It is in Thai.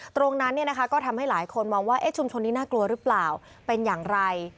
ตรงนั้นก็ทำให้หลายคนมองว่าชุมชนนี้น่ากลัวหรือเปล่าเป็นอย่างไร